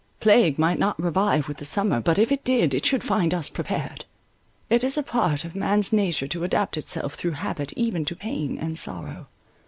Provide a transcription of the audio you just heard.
Plague might not revive with the summer; but if it did, it should find us prepared. It is a part of man's nature to adapt itself through habit even to pain and sorrow.